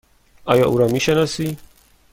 آیا او را می شناسی؟